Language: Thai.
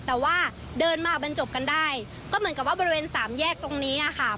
แต่ว่าเดินมาบรรจบกันได้ก็เหมือนกับว่าบริเวณสามแยกตรงนี้อะค่ะ